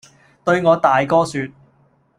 對我大哥說，